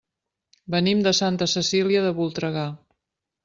Venim de Santa Cecília de Voltregà.